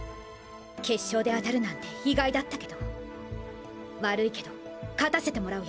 決勝であたるなんて意外だったけど悪いけど勝たせてもらうよ。